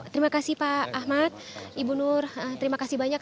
terima kasih pak ahmad ibu nur terima kasih banyak